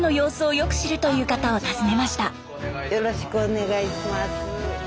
よろしくお願いします。